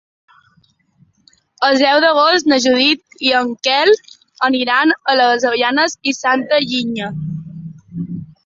El deu d'agost na Judit i en Quel aniran a les Avellanes i Santa Linya.